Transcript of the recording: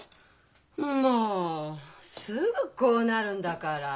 もうすぐこうなるんだから。